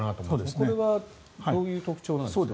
これはどういう特徴なんですかね。